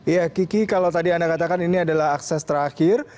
ya kiki kalau tadi anda katakan ini adalah akses terakhir